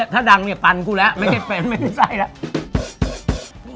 ถ้าดังเนี่ยปั่นกูแล้วมันเข้าเป็นมันไม่ใช่แล้ว